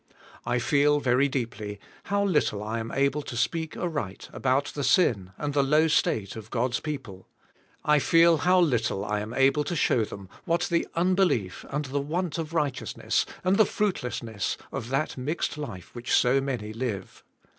I feel, very deeply, how little I am able to speak aright about the sin and the low state of God's people. I feel how little I am able to show them what the unbelief and the want of righteous ness and the fruitlessness of that mixed life which SO many live.